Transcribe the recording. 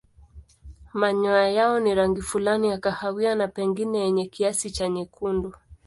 Manyoya yao ni rangi fulani ya kahawia na pengine yenye kiasi cha nyekundu.